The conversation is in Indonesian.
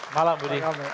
selamat malam budi